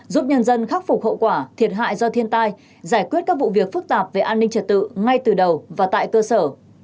giúp nhân dân khắc phục hậu quả thiệt hại do thiên tai giải quyết các vụ việc phức tạp về an ninh trật tự ngay từ đầu và tại cơ sở